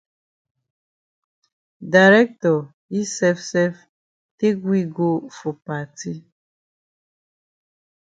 Director yi sef sef take we go for party.